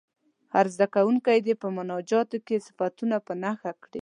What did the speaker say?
هر زده کوونکی دې په مناجات کې صفتونه په نښه کړي.